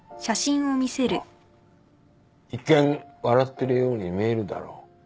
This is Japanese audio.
ほら一見笑ってるように見えるだろ？